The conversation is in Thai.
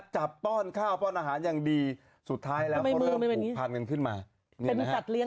จับป้อนข้าวป้อนอาหารอย่างดีสุดท้ายแล้วเอางึณีคางมันขึ้นมาให้มิสัสเรียง